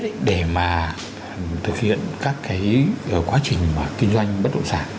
trước hết để mà thực hiện các cái quá trình mà kinh doanh bất động sản